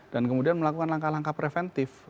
dan kemudian melakukan langkah langkah preventif